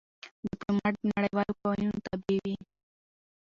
ډيپلومات د نړیوالو قوانینو تابع وي.